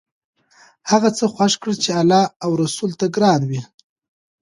هغه څه خوښ کړه چې الله او رسول ته ګران وي.